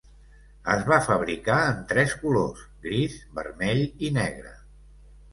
Es va fabricar en tres colors: gris, vermell i negre.